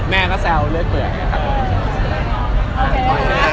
แม่ก็แซวเลือดเผื่อ